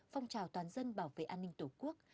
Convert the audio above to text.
phong trào toàn dân bảo vệ an ninh tổ quốc